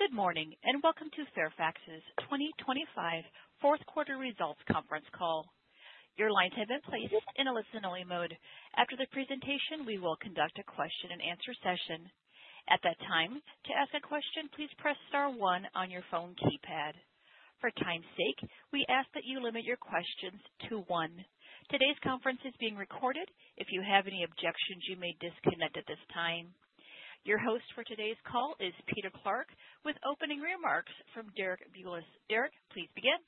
Good morning, and welcome to Fairfax's 2025 Q4 results conference call. Your lines have been placed in a listen-only mode. After the presentation, we will conduct a question-and-answer session. At that time, to ask a question, please press star one on your phone keypad. For time's sake, we ask that you limit your questions to one. Today's conference is being recorded. If you have any objections, you may disconnect at this time. Your host for today's call is Peter Clarke, with opening remarks from Derek Bulas. Derek, please begin.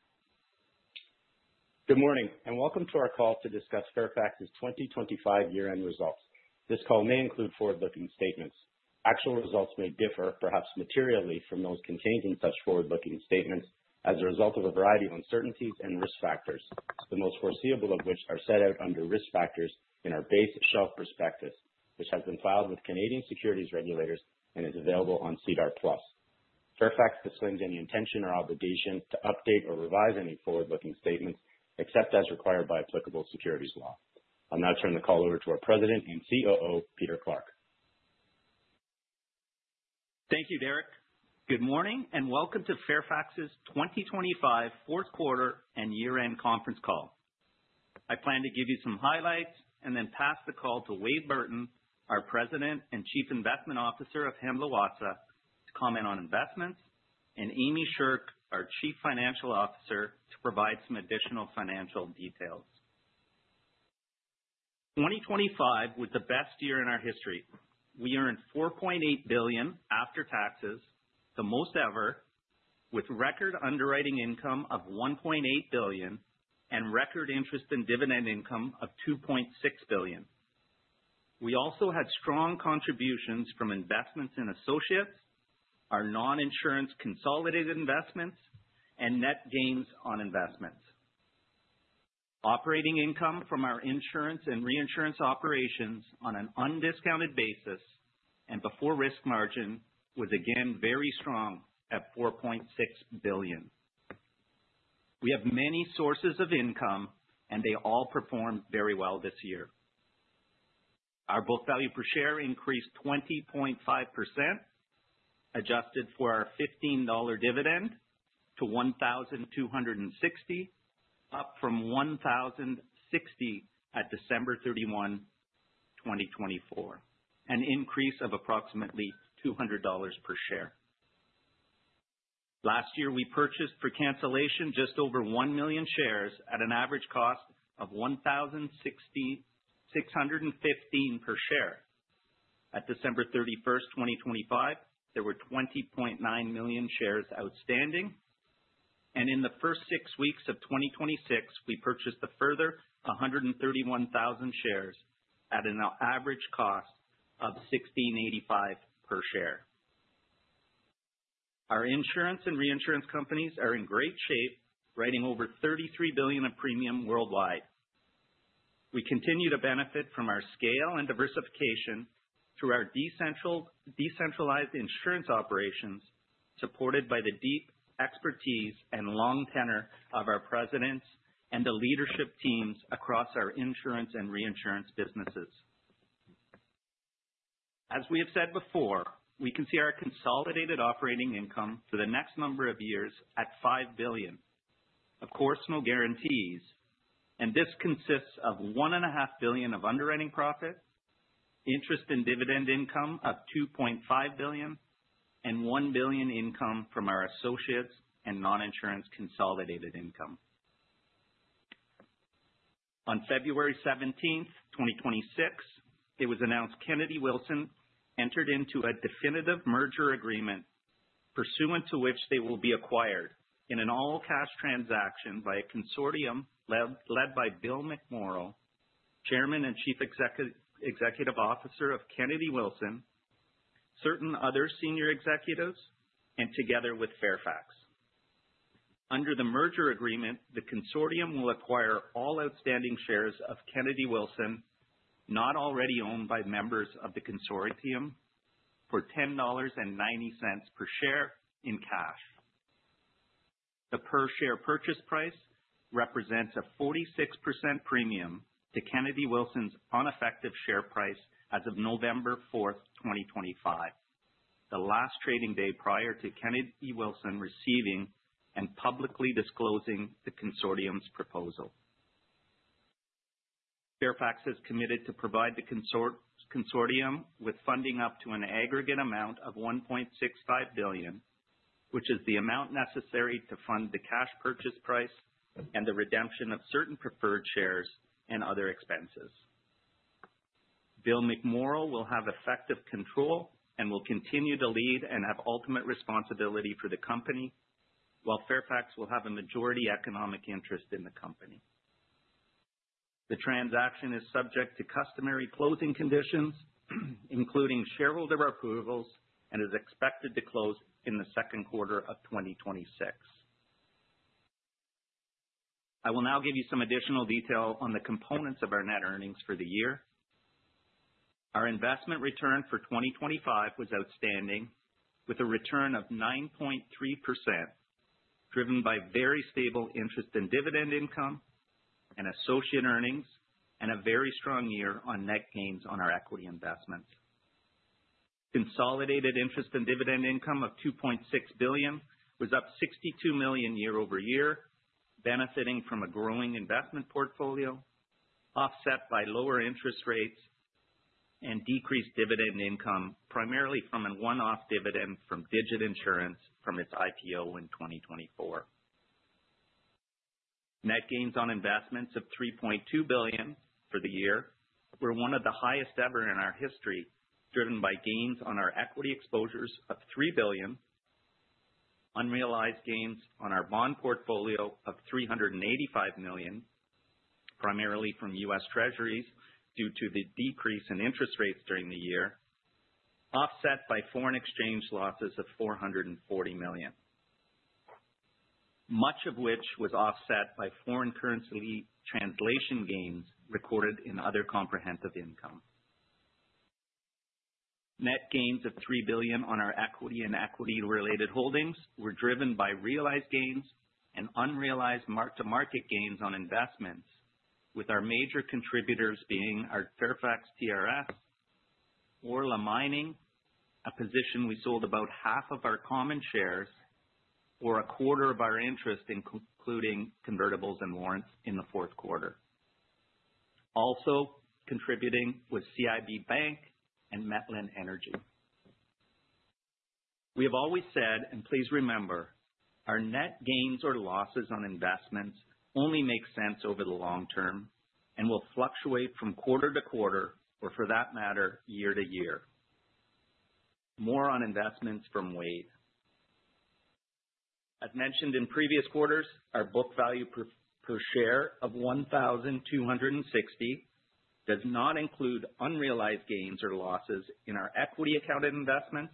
Good morning, and welcome to our call to discuss Fairfax's 2025 year-end results. This call may include forward-looking statements. Actual results may differ, perhaps materially, from those contained in such forward-looking statements as a result of a variety of uncertainties and risk factors, the most foreseeable of which are set out under Risk Factors in our basic shelf prospectus, which has been filed with Canadian securities regulators and is available on SEDAR+. Fairfax disclaims any intention or obligation to update or revise any forward-looking statements, except as required by applicable securities law. I'll now turn the call over to our President and COO, Peter Clarke. Thank you, Derek. Good morning, and welcome to Fairfax's 2025 Q4 and year-end conference call. I plan to give you some highlights and then pass the call to Wade Burton, our President and Chief Investment Officer of Hamblin Watsa, to comment on investments, and Amy Sherk, our Chief Financial Officer, to provide some additional financial details. 2025 was the best year in our history. We earned $4.8 billion after taxes, the most ever, with record underwriting income of $1.8 billion and record interest and dividend income of $2.6 billion. We also had strong contributions from investments in associates, our non-insurance consolidated investments, and net gains on investments. Operating income from our insurance and reinsurance operations on an undiscounted basis and before risk margin was again very strong at $4.6 billion. We have many sources of income, and they all performed very well this year. Our book value per share increased 20.5%, adjusted for our $15 dividend to $1,260, up from $1,060 at December 31, 2024, an increase of approximately $200 per share. Last year, we purchased for cancellation just over 1 million shares at an average cost of $1,066.15 per share. At December 31, 2025, there were 20.9 million shares outstanding, and in the first six weeks of 2026, we purchased a further 131,000 shares at an average cost of $1,685 per share. Our insurance and reinsurance companies are in great shape, writing over $33 billion of premium worldwide. We continue to benefit from our scale and diversification through our decentralized insurance operations, supported by the deep expertise and long tenure of our presidents and the leadership teams across our insurance and reinsurance businesses. As we have said before, we can see our consolidated operating income for the next number of years at $5 billion. Of course, no guarantees, and this consists of $1.5 billion of underwriting profit, interest and dividend income of $2.5 billion, and $1 billion income from our associates and non-insurance consolidated income. On February seventeenth, 2026, it was announced Kennedy Wilson entered into a definitive merger agreement, pursuant to which they will be acquired in an all-cash transaction by a consortium led by Bill McMorrow, Chairman and Chief Executive Officer of Kennedy Wilson, certain other senior executives, and together with Fairfax. Under the merger agreement, the consortium will acquire all outstanding shares of Kennedy Wilson, not already owned by members of the consortium, for $10.90 per share in cash. The per-share purchase price represents a 46% premium to Kennedy Wilson's unaffected share price as of November 4, 2025, the last trading day prior to Kennedy Wilson receiving and publicly disclosing the consortium's proposal. Fairfax has committed to provide the consortium with funding up to an aggregate amount of $1.65 billion, which is the amount necessary to fund the cash purchase price and the redemption of certain preferred shares and other expenses. Bill McMorrow will have effective control and will continue to lead and have ultimate responsibility for the company, while Fairfax will have a majority economic interest in the company. The transaction is subject to customary closing conditions, including shareholder approvals, and is expected to close in the Q2 of 2026. I will now give you some additional detail on the components of our net earnings for the year. Our investment return for 2025 was outstanding, with a return of 9.3%.... driven by very stable interest and dividend income and associate earnings, and a very strong year on net gains on our equity investment. Consolidated interest and dividend income of $2.6 billion was up $62 million year-over-year, benefiting from a growing investment portfolio, offset by lower interest rates and decreased dividend income, primarily from a one-off dividend from Digit Insurance from its IPO in 2024. Net gains on investments of $3.2 billion for the year were one of the highest ever in our history, driven by gains on our equity exposures of $3 billion, unrealized gains on our bond portfolio of $385 million, primarily from U.S. Treasuries, due to the decrease in interest rates during the year, offset by foreign exchange losses of $440 million. Much of which was offset by foreign currency translation gains recorded in other comprehensive income. Net gains of $3 billion on our equity and equity-related holdings were driven by realized gains and unrealized mark-to-market gains on investments, with our major contributors being our Fairfax TRS, Orla Mining, a position we sold about half of our common shares, or a quarter of our interest, including convertibles and warrants, in the Q4. Also contributing was CIB Bank and Metlen Energy & Metals. We have always said, and please remember, our net gains or losses on investments only make sense over the long term and will fluctuate from quarter to quarter, or for that matter, year to year. More on investments from Wade. As mentioned in previous quarters, our book value per share of $1,260 does not include unrealized gains or losses in our equity accounted investments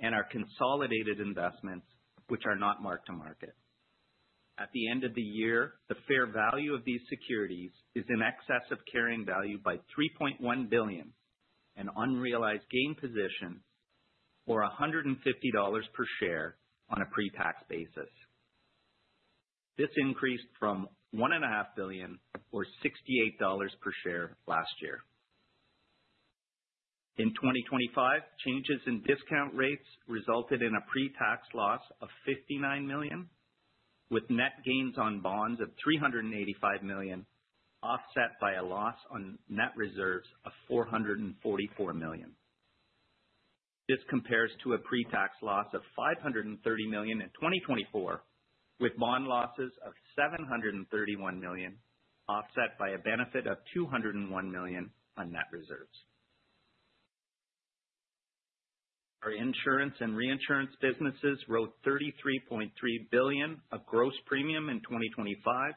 and our consolidated investments, which are not mark-to-market. At the end of the year, the fair value of these securities is in excess of carrying value by $3.1 billion, an unrealized gain position, or $150 per share on a pre-tax basis. This increased from $1.5 billion or $68 per share last year. In 2025, changes in discount rates resulted in a pre-tax loss of $59 million, with net gains on bonds of $385 million, offset by a loss on net reserves of $444 million. This compares to a pre-tax loss of $530 million in 2024, with bond losses of $731 million, offset by a benefit of $201 million on net reserves. Our insurance and reinsurance businesses wrote $33.3 billion of gross premium in 2025,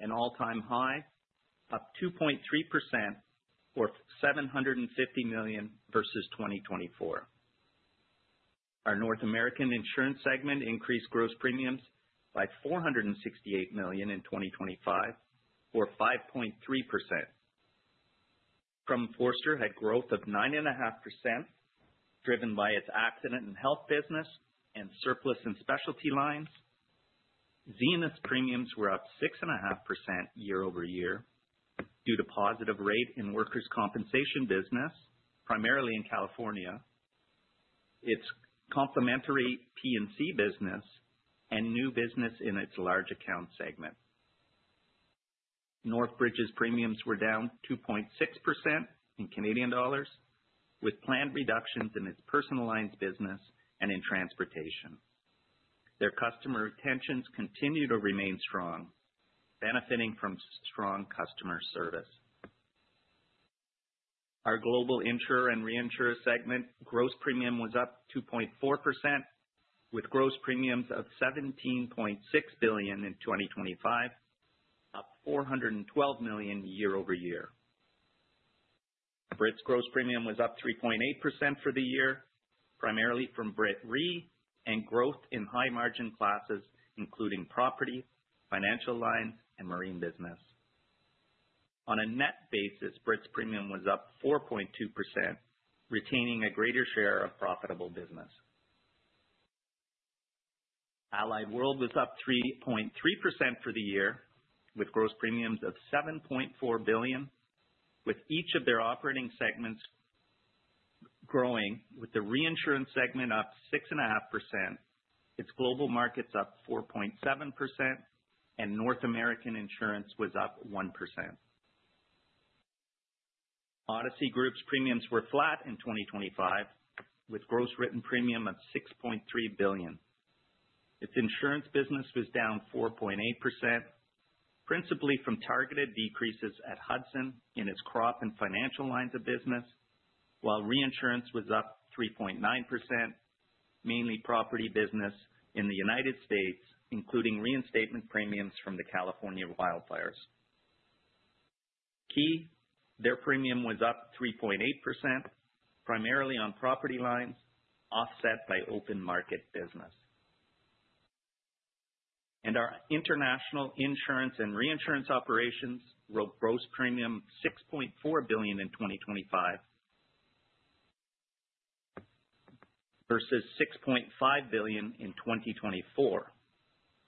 an all-time high, up 2.3%, or $750 million versus 2024. Our North American insurance segment increased gross premiums by $468 million in 2025, or 5.3%. Crum & Forster had growth of 9.5%, driven by its accident and health business and surplus and specialty lines. Zenith's premiums were up 6.5% year-over-year due to positive rate in workers' compensation business, primarily in California, its complementary P&C business, and new business in its large account segment. Northbridge's premiums were down 2.6% in Canadian dollars, with planned reductions in its personal lines business and in transportation. Their customer retentions continue to remain strong, benefiting from strong customer service. Our global insurer and reinsurer segment gross premium was up 2.4%, with gross premiums of $17.6 billion in 2025, up $412 million year-over-year. Brit's gross premium was up 3.8% for the year, primarily from Brit Re and growth in high-margin classes, including property, financial line, and marine business. On a net basis, Brit's premium was up 4.2%, retaining a greater share of profitable business. Allied World was up 3.3% for the year, with gross premiums of $7.4 billion, with each of their operating segments growing, with the reinsurance segment up 6.5%, its global markets up 4.7%, and North American Insurance was up 1%. Odyssey Group's premiums were flat in 2025, with gross written premium of $6.3 billion. Its insurance business was down 4.8%, principally from targeted decreases at Hudson in its crop and financial lines of business, while reinsurance was up 3.9%, mainly property business in the United States, including reinstatement premiums from the California wildfires. Ki, their premium was up 3.8%, primarily on property lines, offset by open market business. Our international insurance and reinsurance operations wrote gross premiums of $6.4 billion in 2025 versus $6.5 billion in 2024.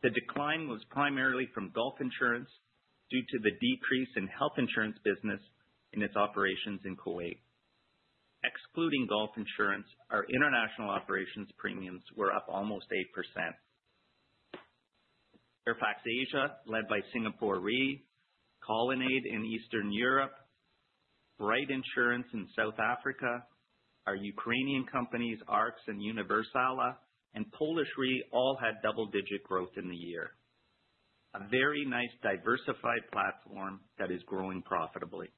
The decline was primarily from Gulf Insurance due to the decrease in health insurance business in its operations in Kuwait. Excluding Gulf Insurance, our international operations premiums were up almost 8%. Fairfax Asia, led by Singapore Re, Colonnade in Eastern Europe, Bryte Insurance in South Africa, our Ukrainian companies, ARX and Universalna, and Polish Re all had double-digit growth in the year. A very nice, diversified platform that is growing profitably.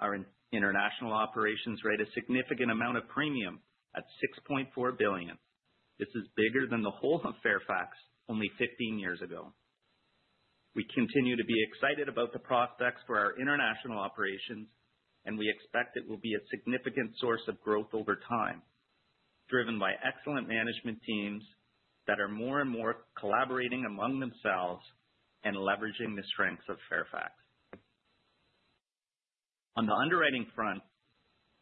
Our international operations rate a significant amount of premium at $6.4 billion. This is bigger than the whole of Fairfax only 15 years ago. We continue to be excited about the prospects for our international operations, and we expect it will be a significant source of growth over time, driven by excellent management teams that are more and more collaborating among themselves and leveraging the strengths of Fairfax. On the underwriting front,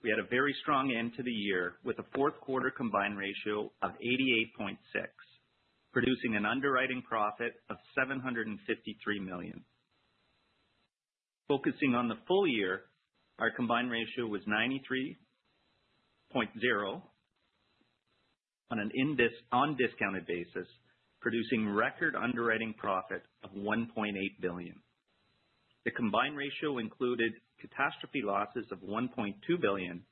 we had a very strong end to the year with a Q4 combined ratio of 88.6, producing an underwriting profit of $753 million. Focusing on the full year, our combined ratio was 93.0 on discounted basis, producing record underwriting profit of $1.8 billion. The combined ratio included catastrophe losses of $1.2 billion,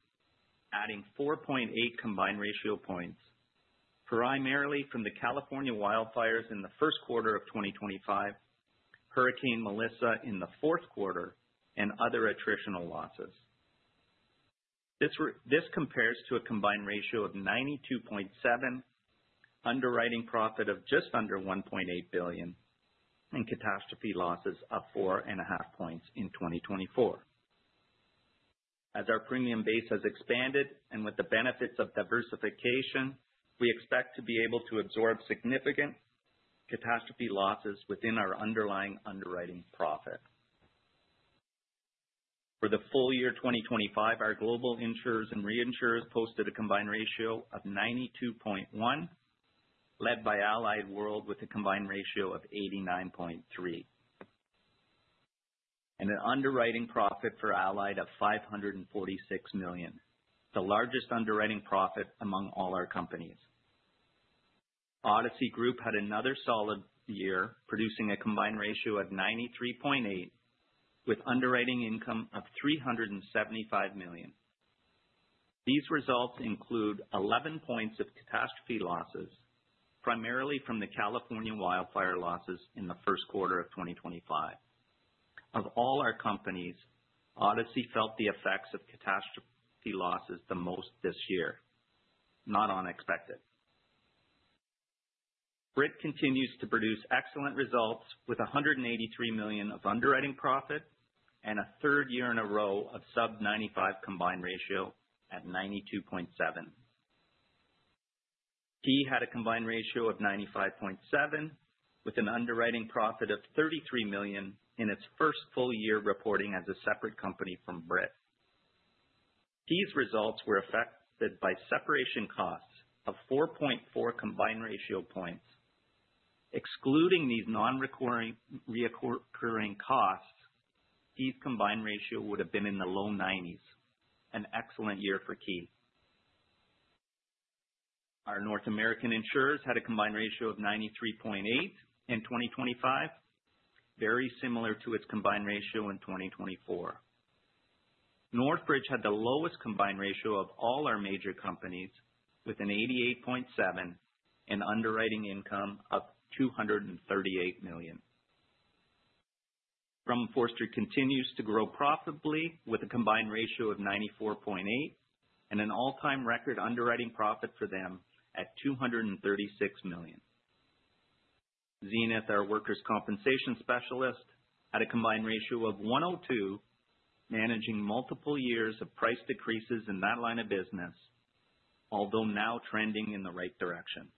adding 4.8 combined ratio points, primarily from the California wildfires in the Q1 of 2025, Hurricane Melissa in the Q4, and other attritional losses. This compares to a combined ratio of 92.7, underwriting profit of just under $1.8 billion, and catastrophe losses of 4.5 points in 2024. As our premium base has expanded and with the benefits of diversification, we expect to be able to absorb significant catastrophe losses within our underlying underwriting profit. For the full year 2025, our global insurers and reinsurers posted a combined ratio of 92.1, led by Allied World, with a combined ratio of 89.3. An underwriting profit for Allied of $546 million, the largest underwriting profit among all our companies. Odyssey Group had another solid year, producing a combined ratio of 93.8, with underwriting income of $375 million. These results include 11 points of catastrophe losses, primarily from the California wildfire losses in the Q1 of 2025. Of all our companies, Odyssey felt the effects of catastrophe losses the most this year. Not unexpected. Brit continues to produce excellent results with $183 million of underwriting profit and a third year in a row of sub-95 combined ratio at 92.7. Ki had a combined ratio of 95.7, with an underwriting profit of $33 million in its first full year reporting as a separate company from Brit. These results were affected by separation costs of 4.4 combined ratio points. Excluding these nonrecurring, recurring costs, these combined ratio would have been in the low 90s. An excellent year for Ki. Our North American insurers had a combined ratio of 93.8% in 2025, very similar to its combined ratio in 2024. Northbridge had the lowest combined ratio of all our major companies, with an 88.7% and underwriting income of $238 million. Crum & Forster continues to grow profitably, with a combined ratio of 94.8% and an all-time record underwriting profit for them at $236 million. Zenith, our workers' compensation specialist, had a combined ratio of 102, managing multiple years of price decreases in that line of business, although now trending in the right direction.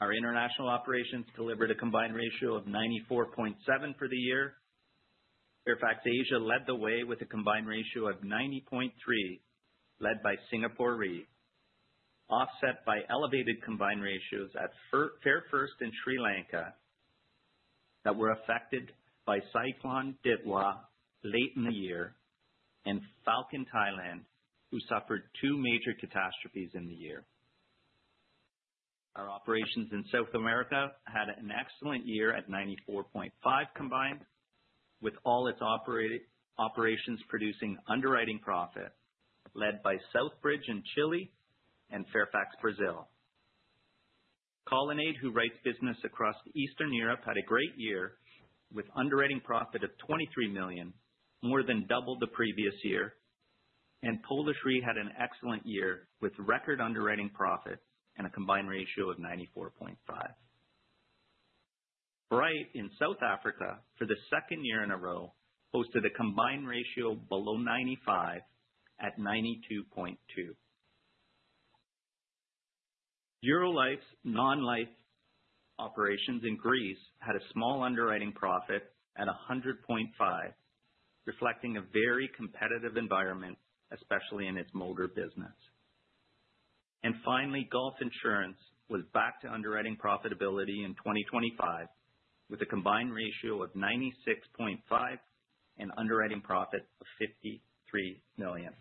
Our international operations delivered a combined ratio of 94.7% for the year. Fairfax Asia led the way with a combined ratio of 90.3, led by Singapore Re, offset by elevated combined ratios at Fairfirst in Sri Lanka, that were affected by Cyclone Sitala late in the year, and Falcon Thailand, who suffered two major catastrophes in the year. Our operations in South America had an excellent year at 94.5, combined with all its operations, producing underwriting profit, led by Southbridge in Chile and Fairfax Brasil. Colonnade, who writes business across Eastern Europe, had a great year with underwriting profit of $23 million, more than double the previous year, and Polish Re had an excellent year, with record underwriting profit and a combined ratio of 94.5. Bryte in South Africa, for the second year in a row, posted a combined ratio below 95 at 92.2. Eurolife's non-life operations in Greece had a small underwriting profit at 100.5, reflecting a very competitive environment, especially in its motor business. And finally, Gulf Insurance was back to underwriting profitability in 2025, with a combined ratio of 96.5 and underwriting profit of $53 million.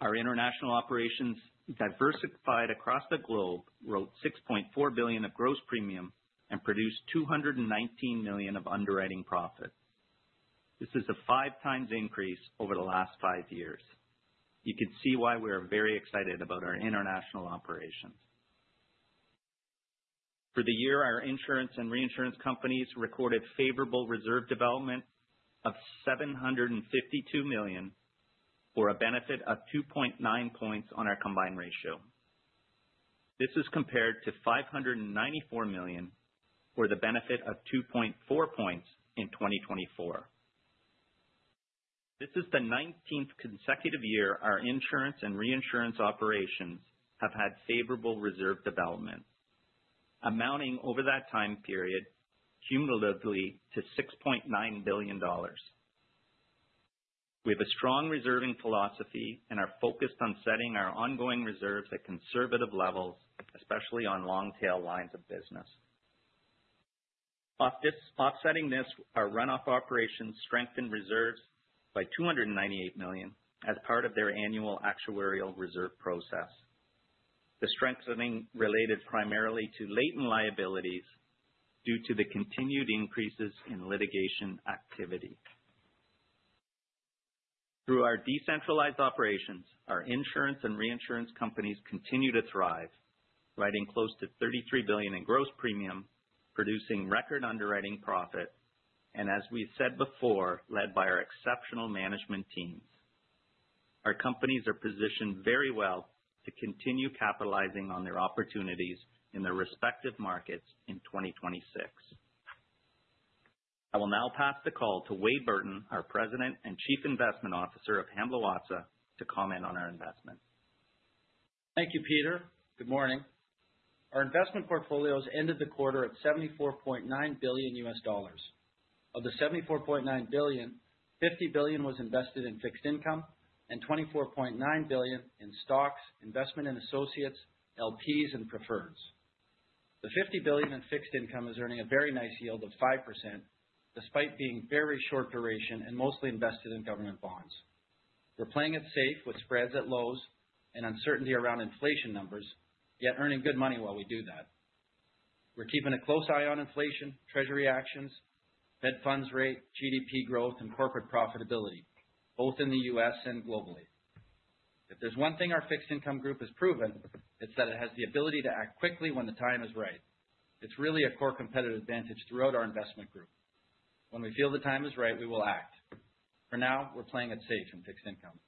Our international operations, diversified across the globe, wrote $6.4 billion of gross premium and produced $219 million of underwriting profit. This is a 5x increase over the last 5 years. You can see why we are very excited about our international operations. For the year, our insurance and reinsurance companies recorded favorable reserve development of $752 million, for a benefit of 2.9 points on our combined ratio. This is compared to $594 million, for the benefit of 2.4 points in 2024. This is the 19th consecutive year our insurance and reinsurance operations have had favorable reserve development, amounting over that time period cumulatively to $6.9 billion. We have a strong reserving philosophy and are focused on setting our ongoing reserves at conservative levels, especially on long-tail lines of business. Offsetting this, our runoff operations strengthened reserves by $298 million as part of their annual actuarial reserve process. The strengthening related primarily to latent liabilities due to the continued increases in litigation activity. Through our decentralized operations, our insurance and reinsurance companies continue to thrive, writing close to $33 billion in gross premium, producing record underwriting profit, and as we've said before, led by our exceptional management teams. Our companies are positioned very well to continue capitalizing on their opportunities in their respective markets in 2026. I will now pass the call to Wade Burton, our President and Chief Investment Officer of Hamblin Watsa, to comment on our investment. Thank you, Peter. Good morning. Our investment portfolios ended the quarter at $74.9 billion. Of the $74.9 billion, $50 billion was invested in fixed income and $24.9 billion in stocks, investment in associates, LPs, and preferreds. The $50 billion in fixed income is earning a very nice yield of 5%, despite being very short duration and mostly invested in government bonds. We're playing it safe with spreads at lows and uncertainty around inflation numbers, yet earning good money while we do that. We're keeping a close eye on inflation, Treasury actions, Fed funds rate, GDP growth, and corporate profitability, both in the U.S. and globally. If there's one thing our fixed income group has proven, it's that it has the ability to act quickly when the time is right. It's really a core competitive advantage throughout our investment group. When we feel the time is right, we will act. For now, we're playing it safe in fixed income.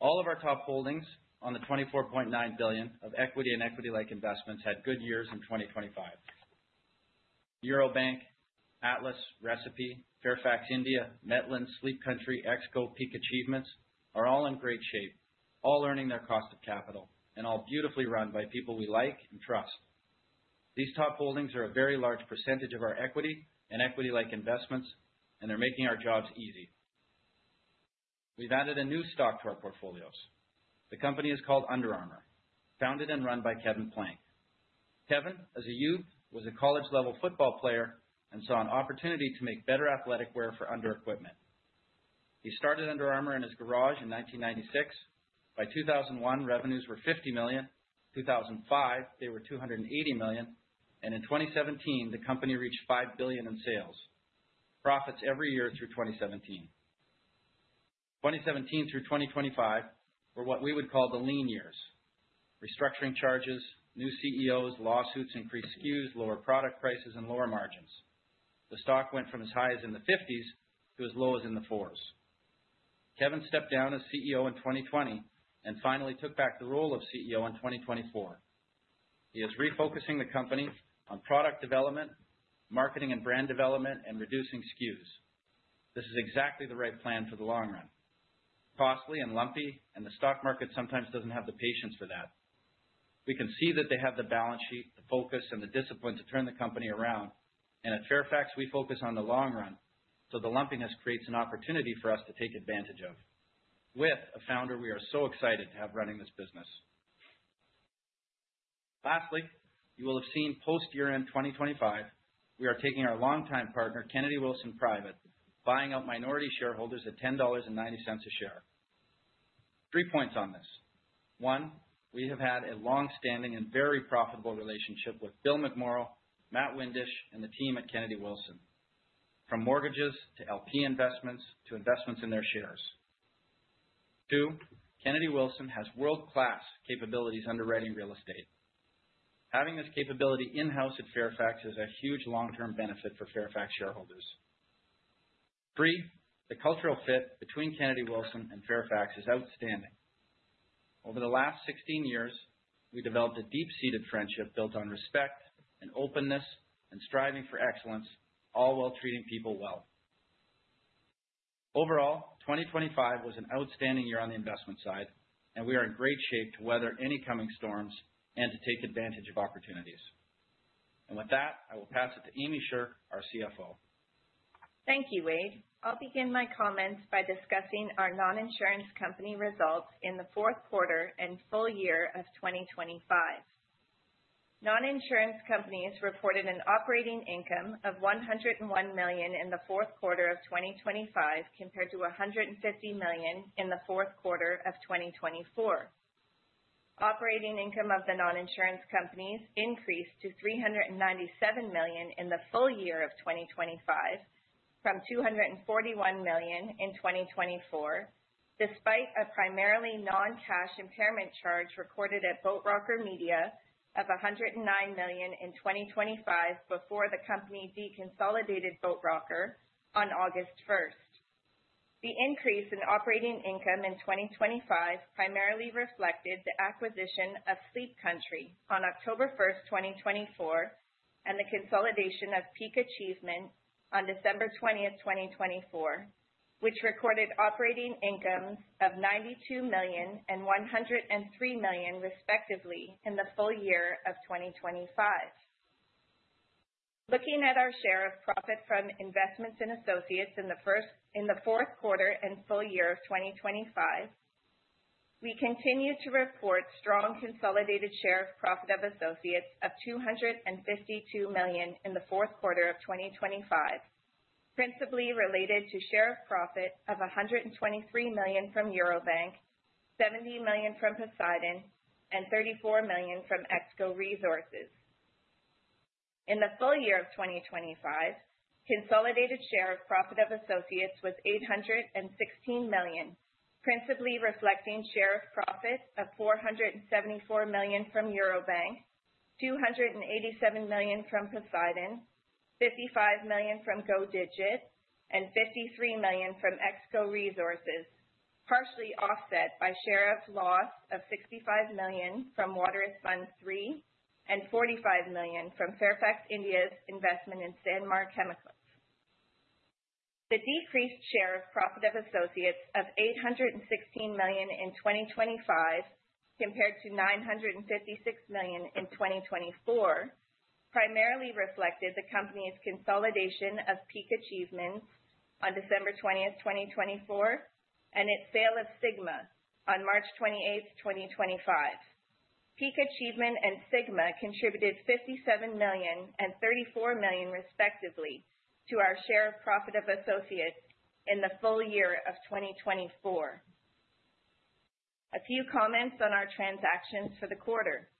All of our top holdings on the $24.9 billion of equity and equity-like investments had good years in 2025. Eurobank, Atlas, Recipe, Fairfax India, Metlen, Sleep Country, Exco, Peak Achievement are all in great shape, all earning their cost of capital, and all beautifully run by people we like and trust. These top holdings are a very large percentage of our equity and equity-like investments, and they're making our jobs easy. We've added a new stock to our portfolios. The company is called Under Armour, founded and run by Kevin Plank. Kevin, as a youth, was a college-level football player and saw an opportunity to make better athletic wear for under equipment. He started Under Armour in his garage in 1996. By 2001, revenues were $50 million. 2005, they were $280 million. In 2017, the company reached $5 billion in sales. Profits every year through 2017. 2017 through 2025 were what we would call the lean years. Restructuring charges, new CEOs, lawsuits, increased SKUs, lower product prices, and lower margins. The stock went from as high as in the 50s to as low as in the 4s. Kevin stepped down as CEO in 2020 and finally took back the role of CEO in 2024. He is refocusing the company on product development, marketing and brand development, and reducing SKUs. This is exactly the right plan for the long run. Costly and lumpy, and the stock market sometimes doesn't have the patience for that. We can see that they have the balance sheet, the focus, and the discipline to turn the company around. And at Fairfax, we focus on the long run, so the lumpiness creates an opportunity for us to take advantage of with a founder we are so excited to have running this business. Lastly, you will have seen post-year-end 2025, we are taking our longtime partner, Kennedy Wilson private, buying out minority shareholders at $10.90 a share. Three points on this: One, we have had a long-standing and very profitable relationship with Bill McMorrow, Matt Windisch, and the team at Kennedy Wilson, from mortgages to LP investments to investments in their shares. Two, Kennedy Wilson has world-class capabilities underwriting real estate. Having this capability in-house at Fairfax is a huge long-term benefit for Fairfax shareholders. Three, the cultural fit between Kennedy Wilson and Fairfax is outstanding. Over the last 16 years, we developed a deep-seated friendship built on respect and openness and striving for excellence, all while treating people well. Overall, 2025 was an outstanding year on the investment side, and we are in great shape to weather any coming storms and to take advantage of opportunities. And with that, I will pass it to Amy Sherk, our CFO. Thank you, Wade. I'll begin my comments by discussing our non-insurance company results in the Q4 and full year of 2025. Non-insurance companies reported an operating income of $101 million in the Q4 of 2025, compared to $150 million in the Q4 of 2024. Operating income of the non-insurance companies increased to $397 million in the full year of 2025, from $241 million in 2024, despite a primarily non-cash impairment charge recorded at Boat Rocker Media of $109 million in 2025 before the company deconsolidated Boat Rocker on August 1. The increase in operating income in 2025 primarily reflected the acquisition of Sleep Country on October 1, 2024, and the consolidation of Peak Achievement on December 20, 2024, which recorded operating income of $92 million and $103 million, respectively, in the full year of 2025. Looking at our share of profit from investments in associates in the Q4 and full year of 2025, we continue to report strong consolidated share of profit of associates of $252 million in the Q4 of 2025, principally related to share of profit of $123 million from Eurobank, $70 million from Poseidon, and $34 million from Exco Resources. In the full year of 2025, consolidated share of profit of associates was $816 million, principally reflecting share of profit of $474 million from Eurobank, $287 million from Poseidon, $55 million from Go Digit, and $53 million from Exco Resources, partially offset by share of loss of $65 million from Watsa Fund III and $45 million from Fairfax India's investment in Sanmar Chemicals. The decreased share of profit of associates of $816 million in 2025, compared to $956 million in 2024, primarily reflected the company's consolidation of Peak Achievement on December 20, 2024, and its sale of Stelco on March 28, 2025. Peak Achievement and Sigma contributed $57 million and $34 million, respectively, to our share of profit of associates in the full year of 2024. A few comments on our transactions for the quarter.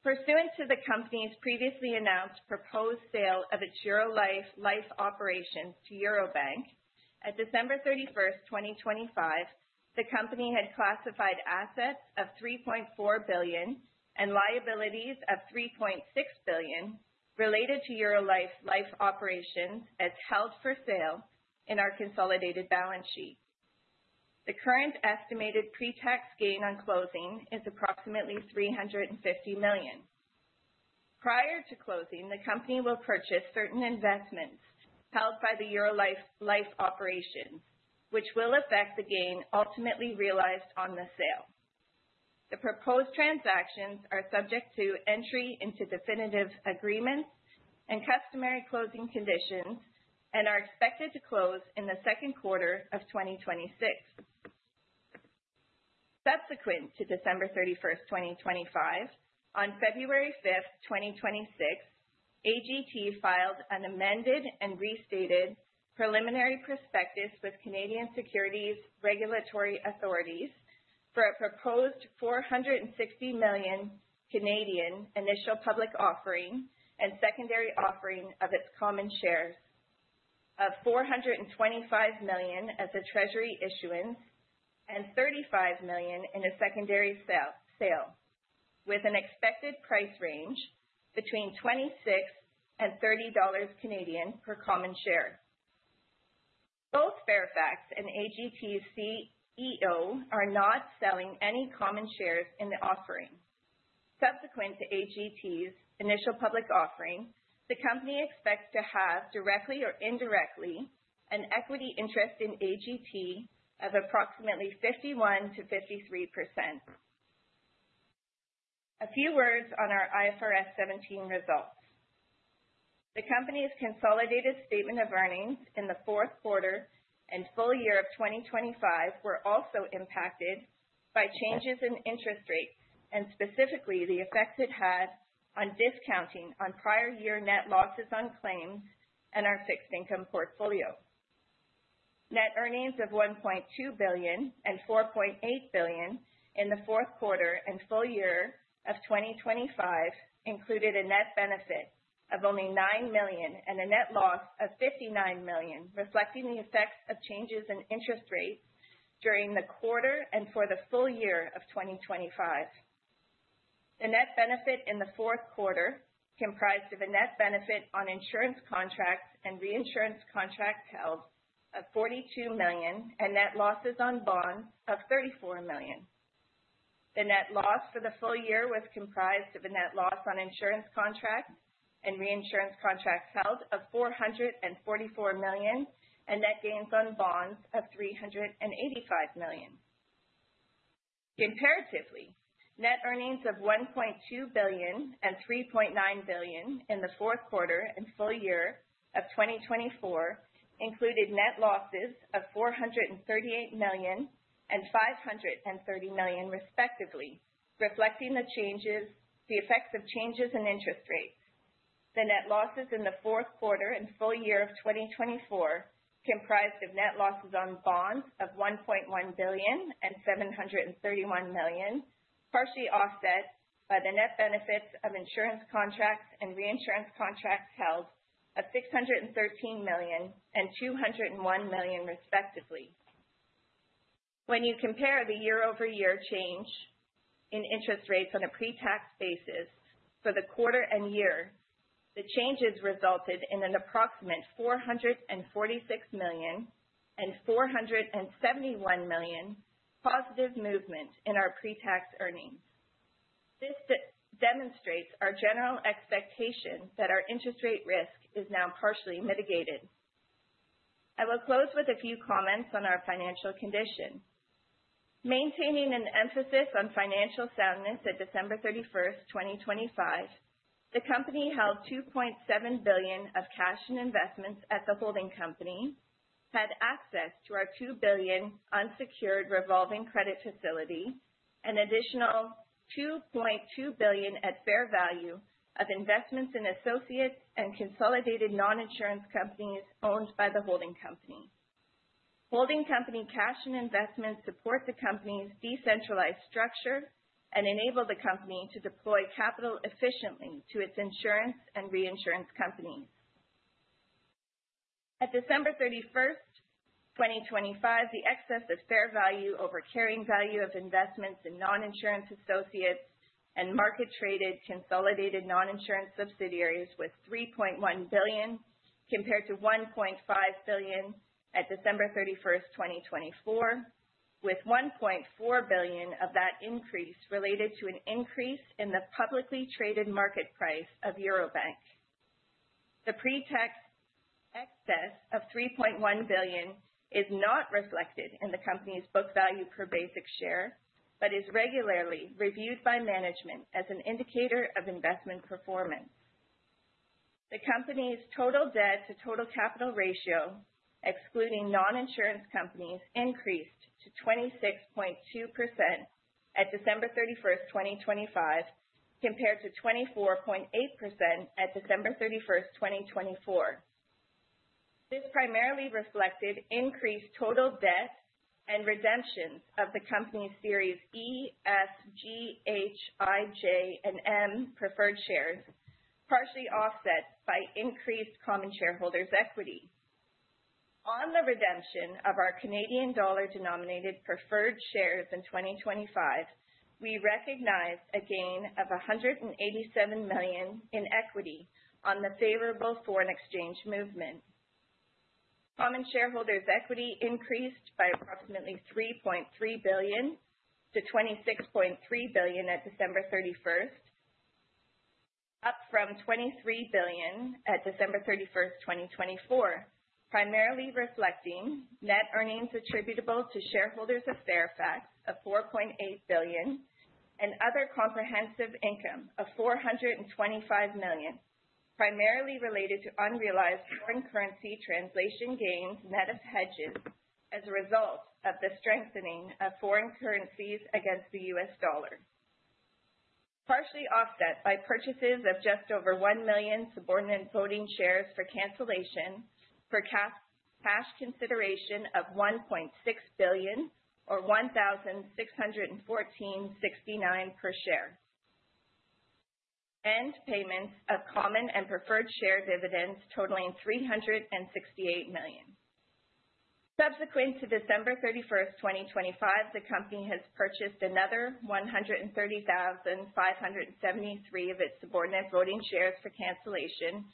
Pursuant to the company's previously announced proposed sale of its Eurolife life operations to Eurobank, at December 31, 2025, the company had classified assets of $3.4 billion and liabilities of $3.6 billion related to Eurolife life operations as held for sale in our consolidated balance sheet. The current estimated pretax gain on closing is approximately $350 million. Prior to closing, the company will purchase certain investments held by the Eurolife life operation, which will affect the gain ultimately realized on the sale. The proposed transactions are subject to entry into definitive agreements and customary closing conditions and are expected to close in the Q2 of 2026. Subsequent to December 31, 2025, on February 5, 2026, AGT filed an amended and restated preliminary prospectus with Canadian securities regulatory authorities for a proposed 460 million initial public offering and secondary offering of its common shares of 425 million as a Treasury issuance and 35 million in a secondary sale, with an expected price range between 26 and 30 Canadian dollars per common share. Both Fairfax and AGT's CEO are not selling any common shares in the offering. Subsequent to AGT's initial public offering, the company expects to have, directly or indirectly, an equity interest in AGT of approximately 51%-53%. A few words on our IFRS 17 results. The company's consolidated statement of earnings in the Q4 and full year of 2025 were also impacted by changes in interest rates and specifically the effect it had on discounting on prior year net losses on claims and our fixed income portfolio. Net earnings of $1.2 billion and $4.8 billion in the Q4 and full year of 2025 included a net benefit of only $9 million and a net loss of $59 million, reflecting the effects of changes in interest rates during the quarter and for the full year of 2025. The net benefit in the Q4 comprised of a net benefit on insurance contracts and reinsurance contracts held of $42 million and net losses on bonds of $34 million. The net loss for the full year was comprised of a net loss on insurance contracts and reinsurance contracts held of $444 million, and net gains on bonds of $385 million. Comparatively, net earnings of $1.2 billion and $3.9 billion in the Q4 and full year of 2024 included net losses of $438 million and $530 million, respectively, reflecting the changes, the effects of changes in interest rates. The net losses in the Q4 and full year of 2024 comprised of net losses on bonds of $1.1 billion and $731 million, partially offset by the net benefits of insurance contracts and reinsurance contracts held of $613 million and $201 million, respectively. When you compare the year-over-year change in interest rates on a pre-tax basis for the quarter and year, the changes resulted in an approximate $446 million and $471 million positive movement in our pre-tax earnings. This demonstrates our general expectation that our interest rate risk is now partially mitigated. I will close with a few comments on our financial condition. Maintaining an emphasis on financial soundness at December 31, 2025, the company held $2.7 billion of cash and investments at the holding company, had access to our $2 billion unsecured revolving credit facility, an additional $2.2 billion at fair value of investments in associates and consolidated non-insurance companies owned by the holding company. Holding company cash and investments support the company's decentralized structure and enable the company to deploy capital efficiently to its insurance and reinsurance companies. At December 31, 2025, the excess of fair value over carrying value of investments in non-insurance associates and market-traded consolidated non-insurance subsidiaries was $3.1 billion, compared to $1.5 billion at December 31, 2024, with $1.4 billion of that increase related to an increase in the publicly traded market price of Eurobank. The pre-tax excess of $3.1 billion is not reflected in the company's book value per basic share, but is regularly reviewed by management as an indicator of investment performance. The company's total debt to total capital ratio, excluding non-insurance companies, increased to 26.2% at December 31, 2025, compared to 24.8% at December 31, 2024. This primarily reflected increased total debt and redemptions of the company's Series E, F, G, H, I, J, and M preferred shares, partially offset by increased common shareholders' equity. On the redemption of our Canadian dollar-denominated preferred shares in 2025, we recognized a gain of $187 million in equity on the favorable foreign exchange movement. Common shareholders' equity increased by approximately $3.3 billion to $26.3 billion at December 31, up from $23 billion at December 31, 2024, primarily reflecting net earnings attributable to shareholders of Fairfax of $4.8 billion and other comprehensive income of $425 million, primarily related to unrealized foreign currency translation gains net of hedges as a result of the strengthening of foreign currencies against the U.S. dollar. Partially offset by purchases of just over 1 million subordinate voting shares for cancellation for cash consideration of 1.6 billion, or 1,614.69 per share, and payments of common and preferred share dividends totaling 368 million. Subsequent to December 31, 2025, the company has purchased another 130,573 of its subordinate voting shares for cancellation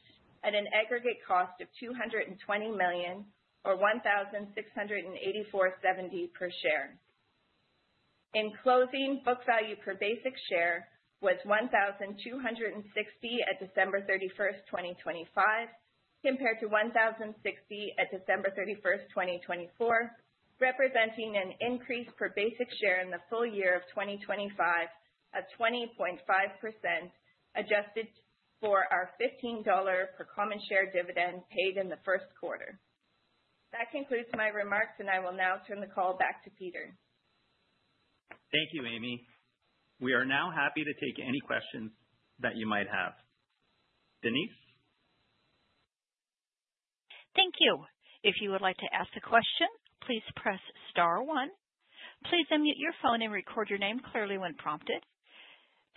at an aggregate cost of 220 million, or 1,684.70 per share. In closing, book value per basic share was 1,260 at December 31, 2025, compared to 1,060 at December 31, 2024, representing an increase per basic share in the full year of 2025 of 20.5%, adjusted for our $15 per common share dividend paid in the Q1. That concludes my remarks, and I will now turn the call back to Peter. Thank you, Amy. We are now happy to take any questions that you might have. Denise? Thank you. If you would like to ask a question, please press star one. Please unmute your phone and record your name clearly when prompted.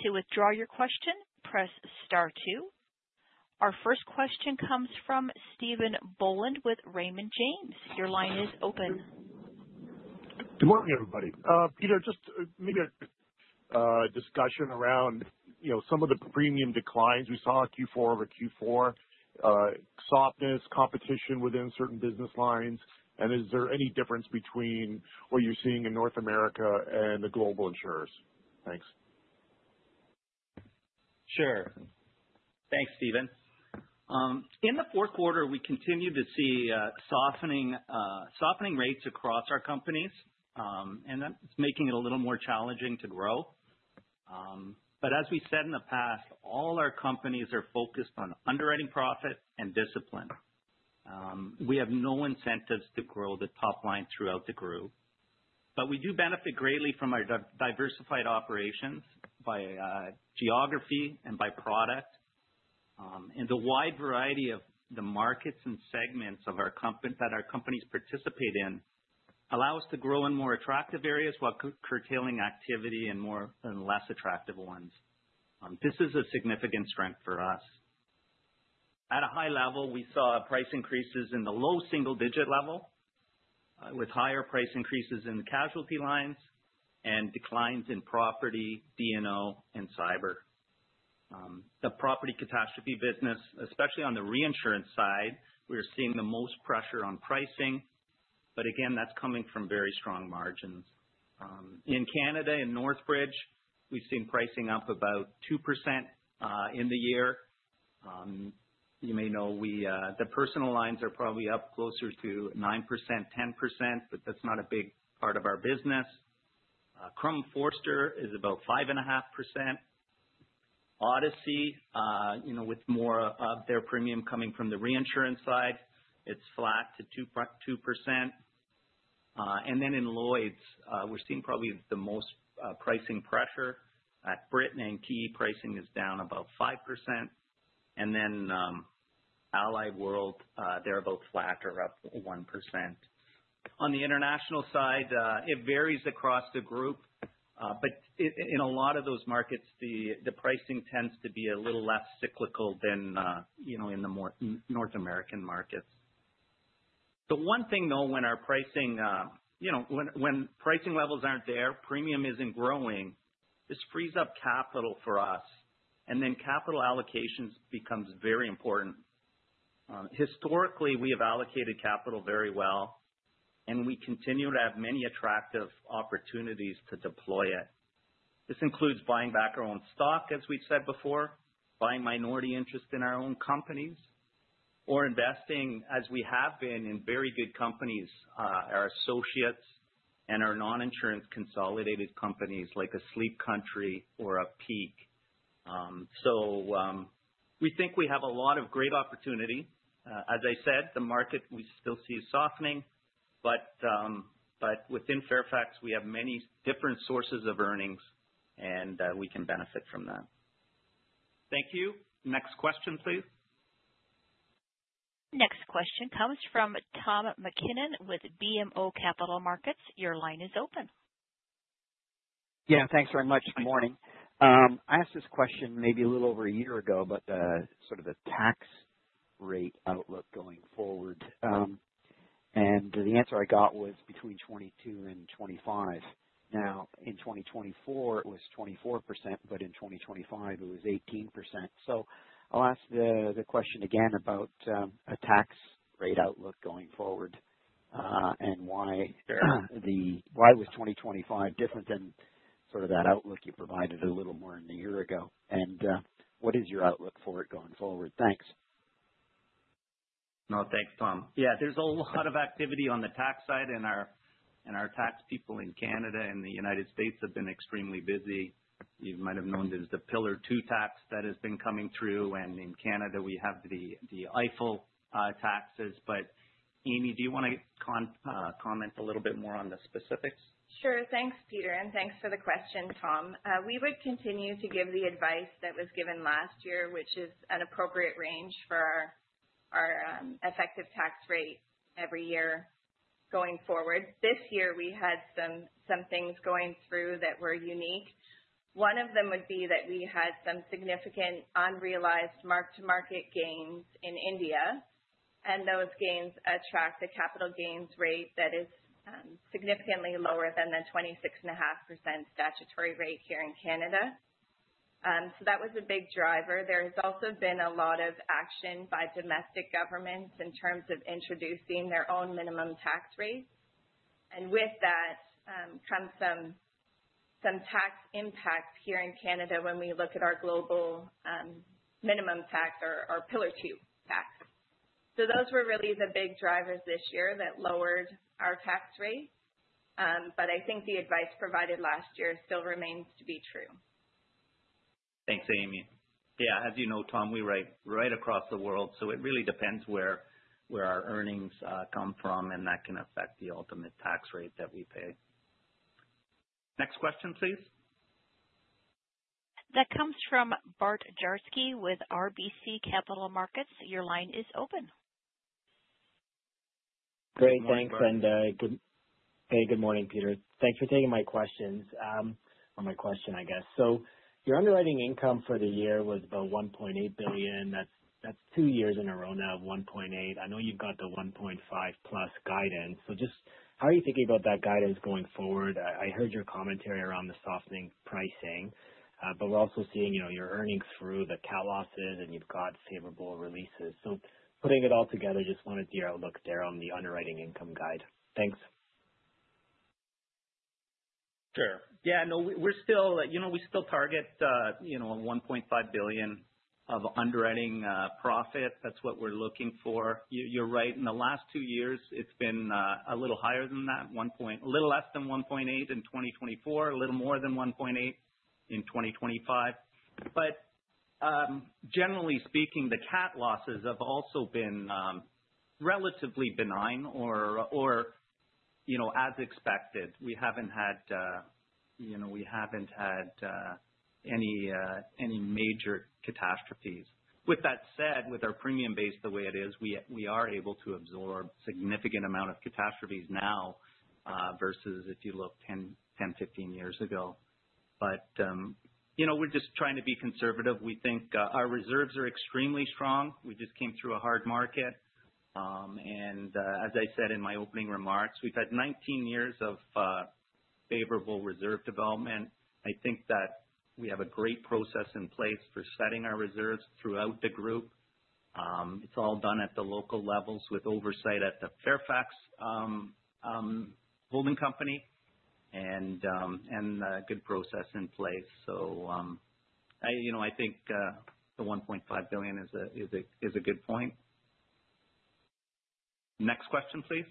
To withdraw your question, press star two. Our first question comes from Stephen Boland with Raymond James. Your line is open. Good morning, everybody. Peter, just maybe a discussion around, you know, some of the premium declines we saw in Q4 over Q4, softness, competition within certain business lines, and is there any difference between what you're seeing in North America and the global insurers? Thanks. ... Sure. Thanks, Stephen. In the Q4, we continued to see softening rates across our companies, and that's making it a little more challenging to grow. But as we said in the past, all our companies are focused on underwriting profit and discipline. We have no incentives to grow the top line throughout the group, but we do benefit greatly from our diversified operations by geography and by product. And the wide variety of the markets and segments that our companies participate in allow us to grow in more attractive areas while curtailing activity in more and less attractive ones. This is a significant strength for us. At a high level, we saw price increases in the low single-digit level, with higher price increases in the casualty lines and declines in property, D&O, and cyber. The property catastrophe business, especially on the reinsurance side, we are seeing the most pressure on pricing, but again, that's coming from very strong margins. In Canada, in Northbridge, we've seen pricing up about 2%, in the year. You may know, we, the personal lines are probably up closer to 9%, 10%, but that's not a big part of our business. Crum & Forster is about 5.5%. Odyssey, you know, with more of their premium coming from the reinsurance side, it's flat to two percent. And then in Lloyd's, we're seeing probably the most pricing pressure. At Brit and Ki, pricing is down about 5%. And then, Allied World, they're about flat or up 1%. On the international side, it varies across the group, but in a lot of those markets, the pricing tends to be a little less cyclical than, you know, in the more North American markets. The one thing, though, when our pricing, you know, when pricing levels aren't there, premium isn't growing, this frees up capital for us, and then capital allocations becomes very important. Historically, we have allocated capital very well, and we continue to have many attractive opportunities to deploy it. This includes buying back our own stock, as we've said before, buying minority interest in our own companies, or investing, as we have been, in very good companies, our associates and our non-insurance consolidated companies like a Sleep Country or a Peak. So, we think we have a lot of great opportunity. As I said, the market, we still see a softening, but, but within Fairfax, we have many different sources of earnings, and, we can benefit from that. Thank you. Next question, please. Next question comes from Tom MacKinnon with BMO Capital Markets. Your line is open. Yeah, thanks very much. Good morning. I asked this question maybe a little over a year ago, about the sort of tax rate outlook going forward. And the answer I got was between 22 and 25. Now, in 2024, it was 24%, but in 2025, it was 18%. So I'll ask the question again about a tax rate outlook going forward, and why- Sure. Why was 2025 different than sort of that outlook you provided a little more than a year ago? And, what is your outlook for it going forward? Thanks. No, thanks, Tom. Yeah, there's a lot of activity on the tax side, and our, and our tax people in Canada and the United States have been extremely busy. You might have known there's the Pillar Two tax that has been coming through, and in Canada, we have the, the EIFEL taxes. But, Amy, do you want to comment a little bit more on the specifics? Sure. Thanks, Peter, and thanks for the question, Tom. We would continue to give the advice that was given last year, which is an appropriate range for our effective tax rate every year going forward. This year, we had some things going through that were unique. One of them would be that we had some significant unrealized mark-to-market gains in India, and those gains attract a capital gains rate that is significantly lower than the 26.5% statutory rate here in Canada. So that was a big driver. There has also been a lot of action by domestic governments in terms of introducing their own minimum tax rates, and with that, comes some tax impacts here in Canada when we look at our global minimum tax or Pillar Two tax. Those were really the big drivers this year that lowered our tax rate. But I think the advice provided last year still remains to be true. Thanks, Amy. Yeah, as you know, Tom, we write right across the world, so it really depends where our earnings come from, and that can affect the ultimate tax rate that we pay. Next question, please. That comes from Bart Dziarski with RBC Capital Markets. Your line is open. Great, thanks. Good morning, Bart. Good morning, Peter. Thanks for taking my questions or my question, I guess. So your underwriting income for the year was about $1.8 billion. That's two years in a row now of $1.8 billion. I know you've got the $1.5 billion+ guidance, so just how are you thinking about that guidance going forward? I heard your commentary around the softening pricing, but we're also seeing, you know, your earnings through the cat losses, and you've got favorable releases. So putting it all together, just wanted your outlook there on the underwriting income guide. Thanks.... Sure. Yeah, no, we're still, you know, we still target, you know, $1.5 billion of underwriting profit. That's what we're looking for. You're, you're right. In the last two years, it's been a little higher than that. One point a little less than $1.8 in 2024, a little more than $1.8 in 2025. But generally speaking, the cat losses have also been relatively benign or, or, you know, as expected. We haven't had, you know, we haven't had any major catastrophes. With that said, with our premium base, the way it is, we are able to absorb significant amount of catastrophes now versus if you look 10, 10, 15 years ago. But you know, we're just trying to be conservative. We think our reserves are extremely strong. We just came through a hard market. As I said in my opening remarks, we've had 19 years of favorable reserve development. I think that we have a great process in place for setting our reserves throughout the group. It's all done at the local levels with oversight at the Fairfax holding company and a good process in place. So, you know, I think the $1.5 billion is a good point. Next question, please.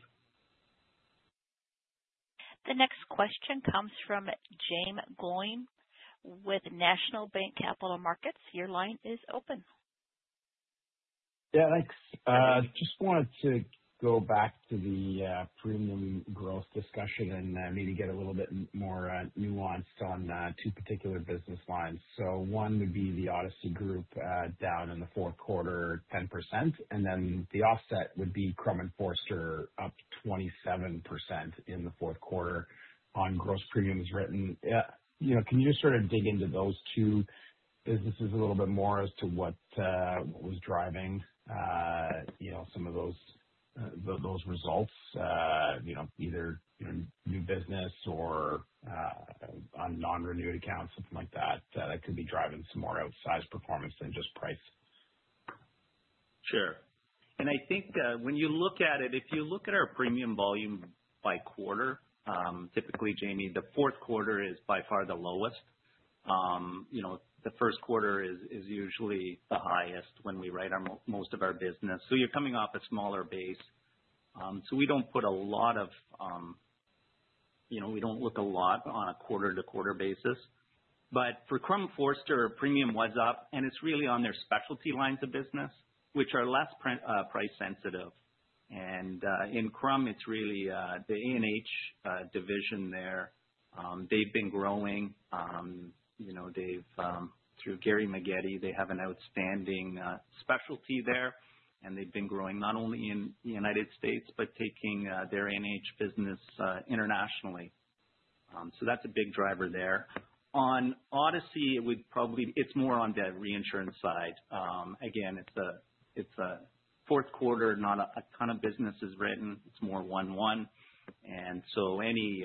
The next question comes from Jaeme Gloyn with National Bank Financial, Inc. Your line is open. Yeah, thanks. Just wanted to go back to the premium growth discussion and maybe get a little bit more nuanced on two particular business lines. So one would be the Odyssey Group, down in the Q4, 10%, and then the offset would be Crum & Forster, up 27% in the Q4 on gross premiums written. You know, can you just sort of dig into those two businesses a little bit more as to what was driving, you know, some of those those results? You know, either, you know, new business or on non-renewed accounts, something like that, that could be driving some more outsized performance than just price. Sure. And I think, when you look at it, if you look at our premium volume by quarter, typically, Jaeme, the Q4 is by far the lowest. You know, the Q1 is usually the highest when we write our most of our business. So you're coming off a smaller base. So we don't put a lot of, you know, we don't look a lot on a quarter-to-quarter basis. But for Crum & Forster, premium was up, and it's really on their specialty lines of business, which are less price sensitive. And, in Crum, it's really the A&H division there. They've been growing, you know, they've through Gary McGeddy, they have an outstanding specialty there, and they've been growing not only in the United States, but taking their A&H business internationally. That's a big driver there. On Odyssey, it would probably... It's more on the reinsurance side. Again, it's a Q4, not a ton of business is written. It's more 1-1, and so any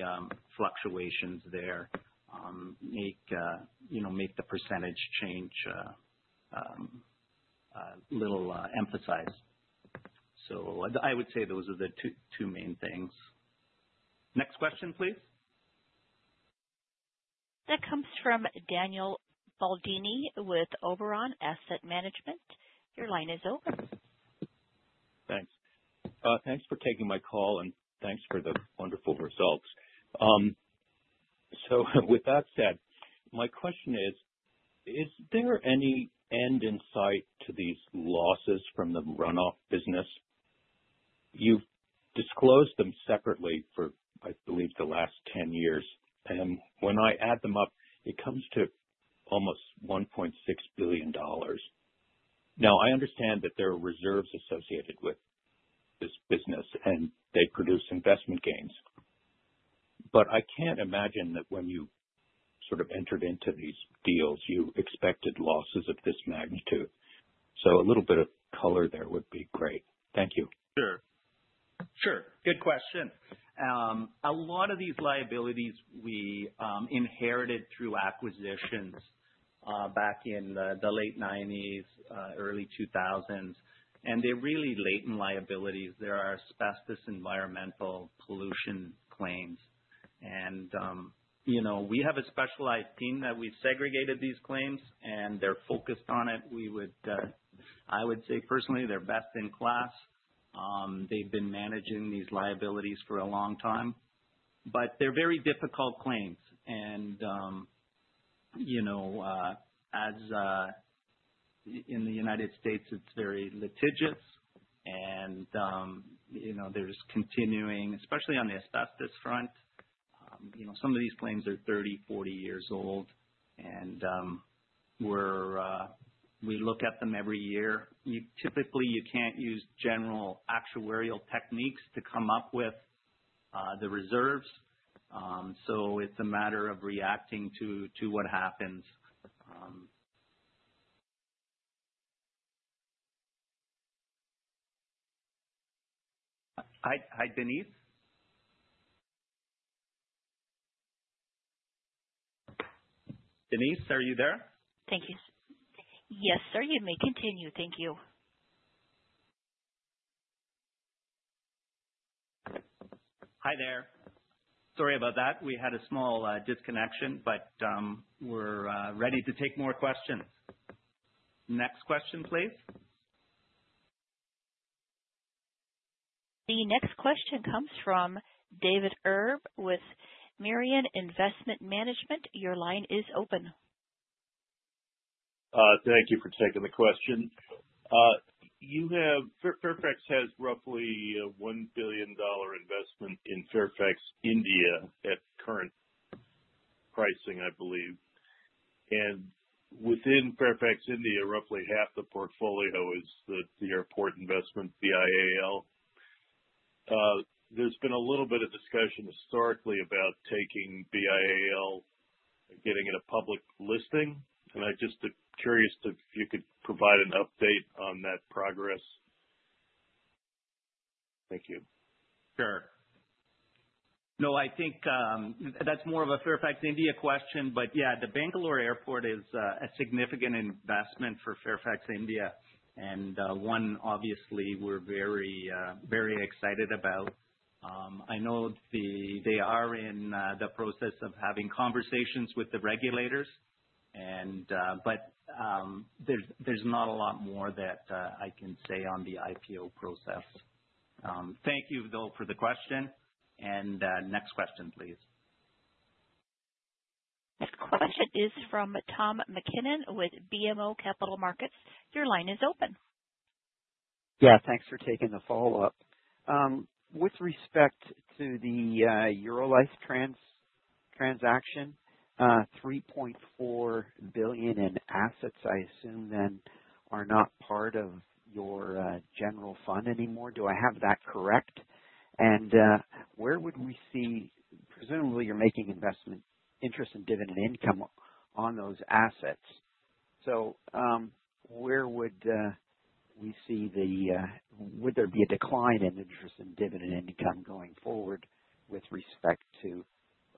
fluctuations there, you know, make the percentage change a little emphasized. I would say those are the two main things. Next question, please. That comes from Daniel Baldini with Oberon Asset Management. Your line is open. Thanks. Thanks for taking my call, and thanks for the wonderful results. So with that said, my question is: Is there any end in sight to these losses from the runoff business? You've disclosed them separately for, I believe, the last 10 years, and when I add them up, it comes to almost $1.6 billion. Now, I understand that there are reserves associated with this business, and they produce investment gains, but I can't imagine that when you sort of entered into these deals, you expected losses of this magnitude. So a little bit of color there would be great. Thank you. Sure. Sure. Good question. A lot of these liabilities, we inherited through acquisitions, back in the late 1990s, early 2000s, and they're really latent liabilities. There are asbestos, environmental pollution claims. And, you know, we have a specialized team that we've segregated these claims, and they're focused on it. We would, I would say personally, they're best in class. They've been managing these liabilities for a long time, but they're very difficult claims. And, you know, in the United States, it's very litigious and, you know, there's continuing, especially on the asbestos front, you know, some of these claims are 30, 40 years old, and, we look at them every year. You typically, you can't use general actuarial techniques to come up with the reserves. It's a matter of reacting to what happens. Hi, hi, Denise? Denise, are you there? Thank you. Yes, sir, you may continue. Thank you.... Hi there. Sorry about that. We had a small disconnection, but we're ready to take more questions. Next question, please. The next question comes from David Erb with Merrion Investment Management. Your line is open. Thank you for taking the question. You have—Fairfax has roughly a $1 billion investment in Fairfax India at current pricing, I believe. And within Fairfax India, roughly half the portfolio is the airport investment, BIAL. There's been a little bit of discussion historically about taking BIAL and getting it a public listing, and I'm just curious if you could provide an update on that progress. Thank you. Sure. No, I think that's more of a Fairfax India question, but yeah, the Bangalore Airport is a significant investment for Fairfax India, and one obviously we're very very excited about. I know the-- they are in the process of having conversations with the regulators and... but there's not a lot more that I can say on the IPO process. Thank you, though, for the question, and next question, please. Next question is from Tom MacKinnon with BMO Capital Markets. Your line is open. Yeah, thanks for taking the follow-up. With respect to the Eurolife transaction, $3.4 billion in assets, I assume, then, are not part of your general fund anymore. Do I have that correct? And, where would we see... presumably you're making investment interest and dividend income on those assets. Where would we see the—would there be a decline in interest in dividend income going forward with respect to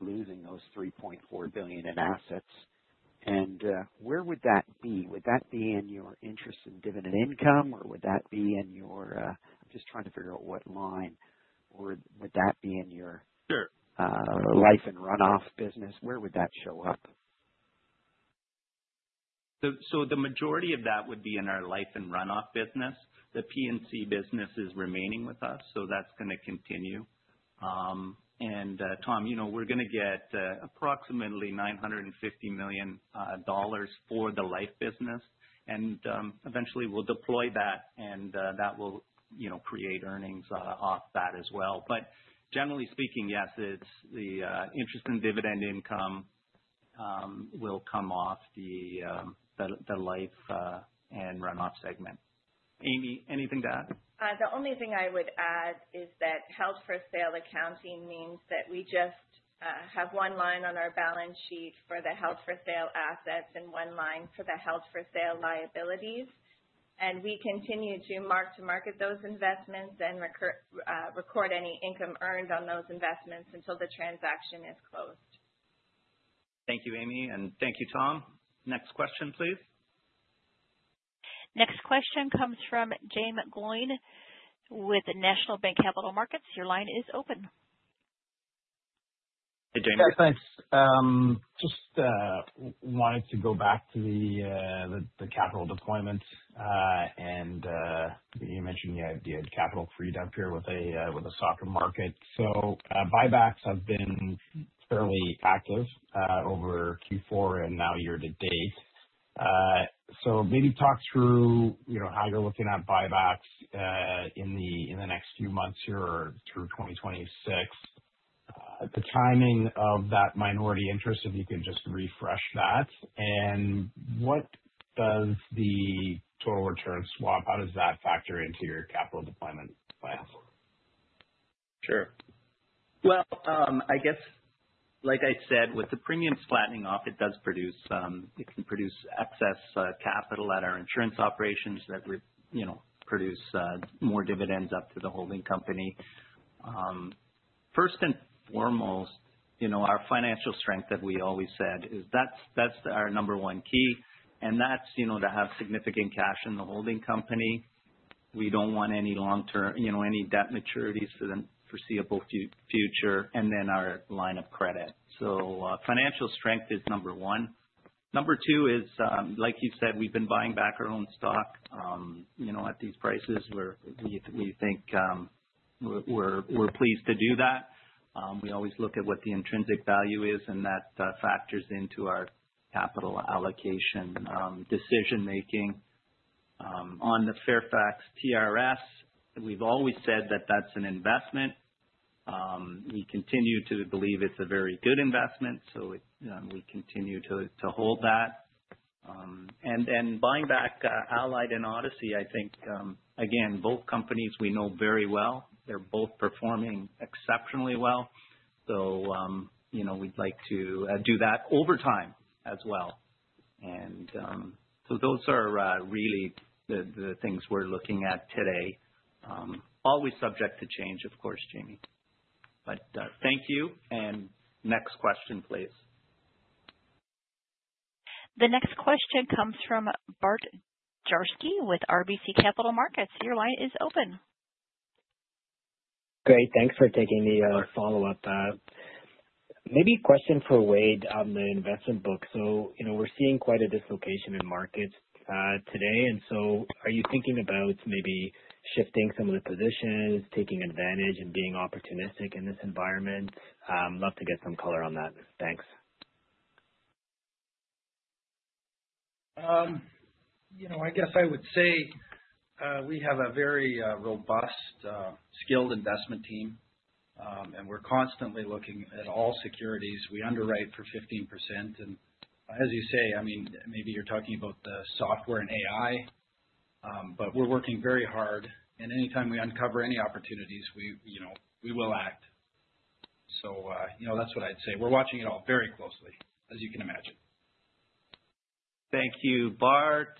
losing those $3.4 billion in assets? And, where would that be? Would that be in your interest in dividend income, or would that be in your... I'm just trying to figure out what line, or would that be in your- Sure. Life and run-off business? Where would that show up? The majority of that would be in our life and run-off business. The P&C business is remaining with us, so that's going to continue. And Tom, you know, we're going to get approximately $950 million dollars for the life business, and eventually we'll deploy that, and that will, you know, create earnings off that as well. But generally speaking, yes, it's the interest and dividend income will come off the the life and run-off segment. Amy, anything to add? The only thing I would add is that held for sale accounting means that we just have one line on our balance sheet for the held for sale assets and one line for the held for sale liabilities. We continue to mark-to-market those investments and record any income earned on those investments until the transaction is closed. Thank you, Amy, and thank you, Tom. Next question, please. Next question comes from Jaeme Gloyn with National Bank Financial. Your line is open. Hey, Jaeme. Yeah, thanks. Just wanted to go back to the capital deployment. You mentioned the idea of capital freed up here with a softer market. Buybacks have been fairly active over Q4 and now year to date. So maybe talk through, you know, how you're looking at buybacks in the next few months here or through 2026. The timing of that minority interest, if you could just refresh that. And what does the total return swap, how does that factor into your capital deployment plan? Sure. Well, I guess, like I said, with the premium flattening off, it does produce, it can produce excess, capital at our insurance operations that would, you know, produce, more dividends up to the holding company. First and foremost, you know, our financial strength that we always said is that's, that's our number one key, and that's, you know, to have significant cash in the holding company. We don't want any long-term, you know, any debt maturities for the foreseeable future, and then our line of credit. So, financial strength is number one. Number two is, like you said, we've been buying back our own stock. You know, at these prices, we're, we, we think, we're, we're pleased to do that. We always look at what the intrinsic value is, and that factors into our capital allocation decision making. On the Fairfax TRS, we've always said that that's an investment. We continue to believe it's a very good investment, so it we continue to hold that. And then buying back Allied and Odyssey, I think, again, both companies we know very well. They're both performing exceptionally well. So, you know, we'd like to do that over time as well. And so those are really the things we're looking at today. Always subject to change, of course, Jaeme. But thank you. And next question, please.... The next question comes from Bart Dziarski with RBC Capital Markets. Your line is open. Great. Thanks for taking the follow-up. Maybe a question for Wade on the investment book. So, you know, we're seeing quite a dislocation in markets today, and so are you thinking about maybe shifting some of the positions, taking advantage, and being opportunistic in this environment? Love to get some color on that. Thanks. You know, I guess I would say, we have a very robust, skilled investment team. And we're constantly looking at all securities. We underwrite for 15%. And, as you say, I mean, maybe you're talking about the software and AI, but we're working very hard, and anytime we uncover any opportunities, we, you know, we will act. So, you know, that's what I'd say. We're watching it all very closely, as you can imagine. Thank you, Bart.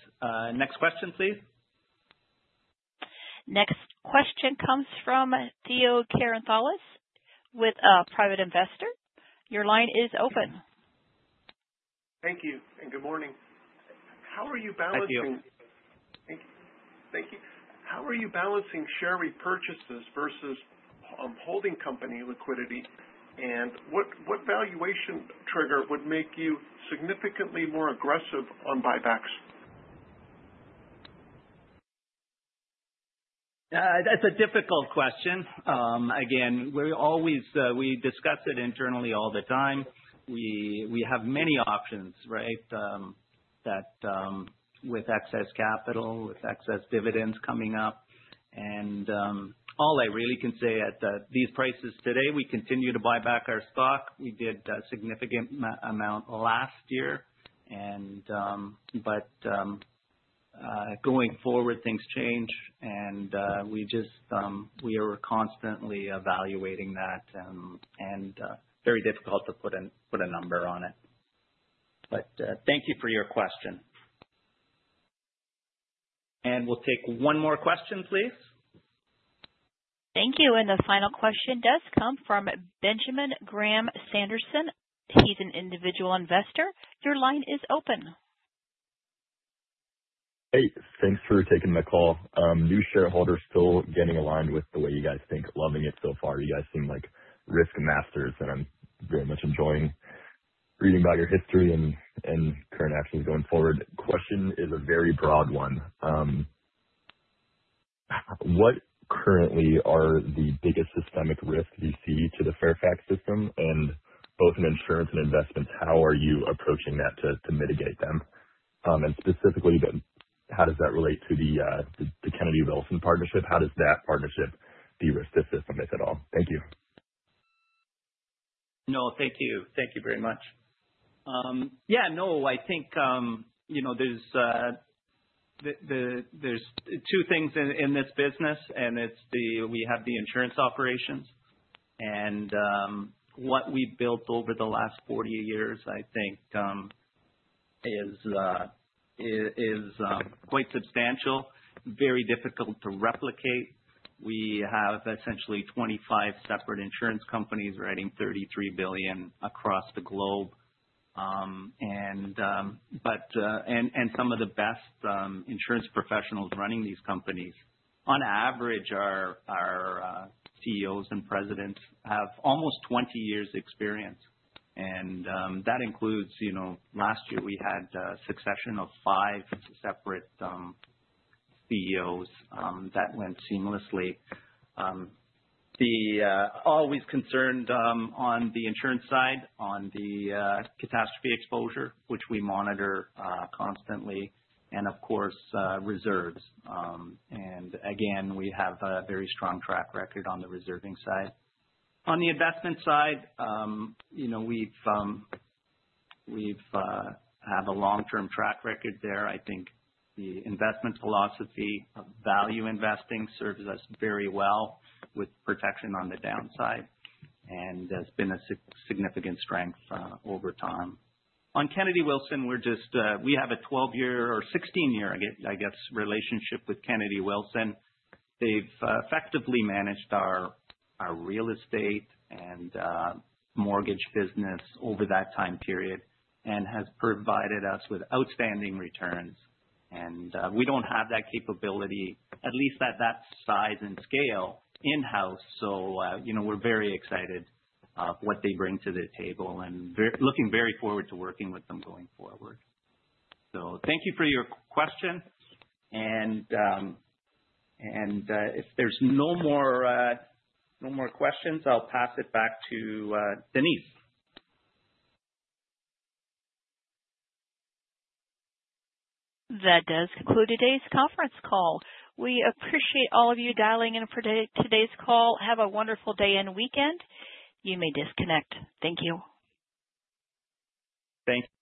Next question, please. Next question comes from Theo Chiarot, with private investor. Your line is open. Thank you and good morning. How are you balancing- Thank you. Thank you. How are you balancing share repurchases versus holding company liquidity? And what valuation trigger would make you significantly more aggressive on buybacks? That's a difficult question. Again, we always discuss it internally all the time. We have many options, right? That with excess capital, with excess dividends coming up. And all I really can say at these prices today, we continue to buy back our stock. We did a significant amount last year. But going forward, things change, and we just are constantly evaluating that. Very difficult to put a number on it. But thank you for your question. And we'll take one more question, please. Thank you. The final question does come from Benjamin Graham Sanderson. He's an individual investor. Your line is open. Hey, thanks for taking the call. New shareholder, still getting aligned with the way you guys think. Loving it so far. You guys seem like risk masters, and I'm very much enjoying reading about your history and current actions going forward. Question is a very broad one. What currently are the biggest systemic risks you see to the Fairfax system? And both in insurance and investments, how are you approaching that to mitigate them? And specifically, then, how does that relate to the Kennedy Wilson partnership? How does that partnership de-risk the system, if at all? Thank you. No, thank you. Thank you very much. Yeah, no, I think, you know, there's two things in this business, and it's we have the insurance operations. And, what we've built over the last 40 years, I think, is quite substantial, very difficult to replicate. We have essentially 25 separate insurance companies writing $33 billion across the globe. And some of the best insurance professionals running these companies. On average, our CEOs and presidents have almost 20 years experience, and that includes, you know, last year we had a succession of 5 separate CEOs that went seamlessly. Always concerned on the insurance side, on the catastrophe exposure, which we monitor constantly, and of course, reserves. and again, we have a very strong track record on the reserving side. On the investment side, you know, we have a long-term track record there. I think the investment philosophy of value investing serves us very well with protection on the downside, and has been a significant strength over time. On Kennedy Wilson, we're just we have a 12-year or 16-year, I guess, relationship with Kennedy Wilson. They've effectively managed our real estate and mortgage business over that time period, and has provided us with outstanding returns. And we don't have that capability, at least at that size and scale, in-house. So, you know, we're very excited what they bring to the table, and looking very forward to working with them going forward. So thank you for your question, and if there's no more questions, I'll pass it back to Denise. That does conclude today's conference call. We appreciate all of you dialing in for today's call. Have a wonderful day and weekend. You may disconnect. Thank you. Thanks.